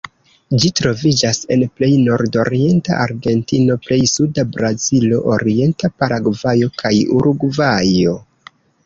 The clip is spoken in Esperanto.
Ĝi troviĝas en plej nordorienta Argentino, plej suda Brazilo, orienta Paragvajo kaj Urugvajo.